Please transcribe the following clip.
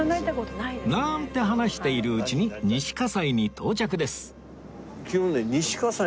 なんて話しているうちに西葛西に到着です